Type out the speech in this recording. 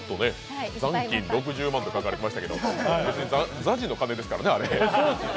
残金６０万って書かれてましたけど別に、ＺＡＺＹの金ですからね、あれ。